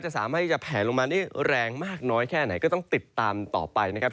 สามารถให้จะแผลลงมาได้แรงมากน้อยแค่ไหนก็ต้องติดตามต่อไปนะครับ